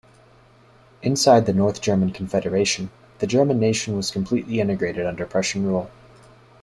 Inside the North German Confederation, the German nation was completely integrated under Prussian rule.